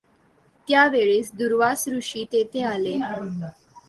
त्यावेळेस दुर्वास ऋषी तेथे आले.